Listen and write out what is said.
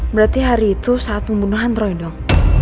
berarti hari itu saat pembunuhan roy dok